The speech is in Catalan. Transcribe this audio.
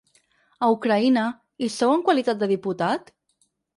A Ucraïna, hi sou en qualitat de diputat?